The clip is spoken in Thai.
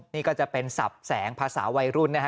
นี่ก็จะเป็นสับแสงภาษาวัยรุ่นนะฮะ